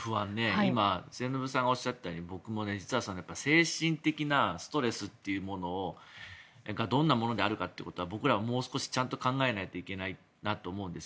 今、末延さんがおっしゃったように僕も実は精神的なストレスというものをそれがどんなものであるかということは僕らは、もう少しちゃんと考えないといけないなと思うんですよ。